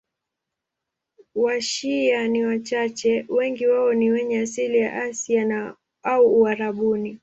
Washia ni wachache, wengi wao ni wenye asili ya Asia au Uarabuni.